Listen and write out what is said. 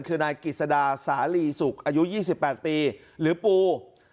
คือนายกิจสดาสาลีสุกอายุ๒๘ปีหรือปู